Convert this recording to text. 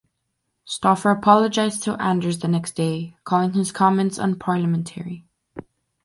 Stoffer apologized to Anders the next day, calling his comments unparliamentary.